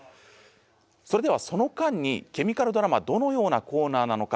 それではその間にケミカルドラマどのようなコーナーなのか